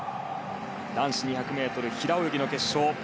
男子２００ｍ平泳ぎの決勝。